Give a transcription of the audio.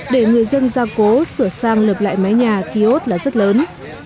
để người dân gia cố sửa sang lợp lại mái nhà ký ốt là rất lớn